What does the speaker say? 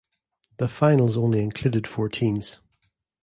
The finals only included four teams.